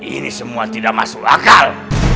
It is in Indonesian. ini semua tidak masuk akal